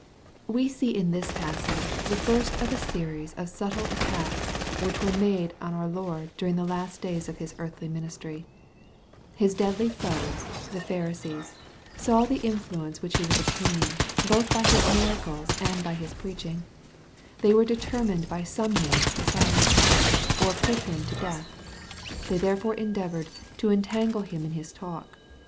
Wk see in this passage the first of a series of subtle attacks, which were made on our Loid during the last days of His earthly ministry. /His deadly foes, the PhaiiseeSy saw the influence which He was obtaining, both by His miracles and by His preaching. They were determined by some means to silence Him, or put Him to death. They therefore endeavored to ^^ entangle him in his talk."